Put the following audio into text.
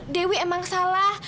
dewi emang salah